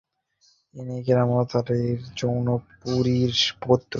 তিনি মওলানা কেরামত আলী জৌনপুরীর পৌত্র।